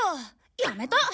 やめた！